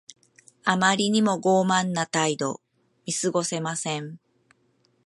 あまりにも傲慢な態度。見過ごせません。